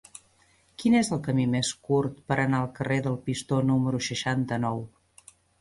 Quin és el camí més curt per anar al carrer del Pistó número seixanta-nou?